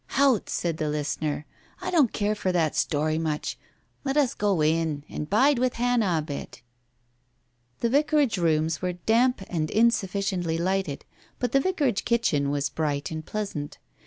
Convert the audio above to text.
"Hout !" said the listener, "I don't care for that story much. Let us go in, and bide with Hannah a bit." The Vicarage rooms were damp and insufficiently lighted, but the Vicarage kitchen was bright and pleasant.